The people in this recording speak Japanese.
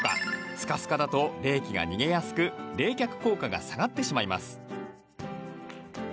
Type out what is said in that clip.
スカスカだと冷気が逃げやすく冷却効果が下がってしまいます。